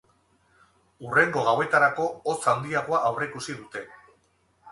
Hurrengo gauetarako hotz handiagoa aurreikusi dute.